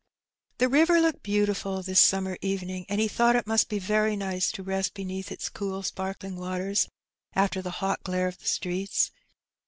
The river looked beautiful this summer evening, and he thought it must be very nice to rest beneath its cool sparkling waters after the hot glare of the streets.